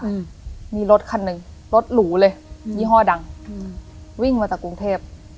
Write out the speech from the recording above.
อืมมีรถคันหนึ่งรถหรูเลยอืมยี่ห้อดังอืมวิ่งมาจากกรุงเทพ